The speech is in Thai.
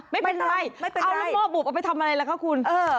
ไม่เป็นไรเอาแล้วหม้อบุบเอาไปทำอะไรล่ะคะคุณ